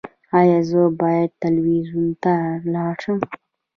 ایا زه باید تلویزیون ته لاړ شم؟